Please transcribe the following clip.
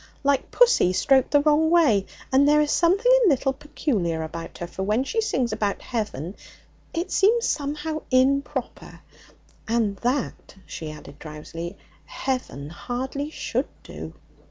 Like pussy stroked the wrong way. And there is something a little peculiar about her, for when she sings about heaven it seems somehow improper, and that,' she added drowsily, 'heaven hardly should do.'